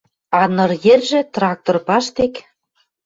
А ныр йӹржӹ, трактор паштек